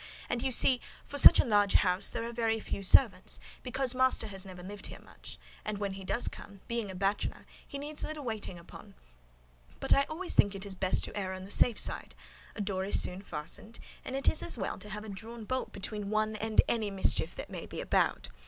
And you see, for such a large house, there are very few servants, because master has never lived here much; and when he does come, being a bachelor, he needs little waiting on: but I always think it best to err on the safe side; a door is soon fastened, and it is as well to have a drawn bolt between one and any mischief that may be about.